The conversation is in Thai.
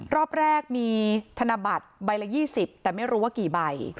รอบแรกมีธนบัตรใบละ๒๐แต่ไม่รู้ว่ากี่ใบ